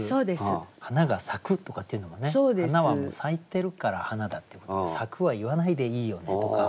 「花が咲く」とかっていうのもね「花」はもう咲いてるから「花」だっていうことで「咲く」は言わないでいいよねとか。